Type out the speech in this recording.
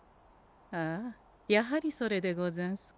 ああやはりそれでござんすか。